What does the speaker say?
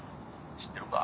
知ってるか？